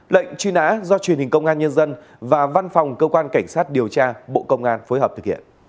lệnh truy nã do truyền hình công an nhân dân và văn phòng cơ quan cảnh sát điều tra bộ công an phối hợp thực hiện